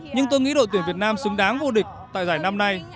nhưng tôi nghĩ đội tuyển việt nam xứng đáng vô địch tại giải năm nay